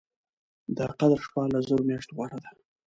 د قدر شپه له زرو مياشتو غوره ده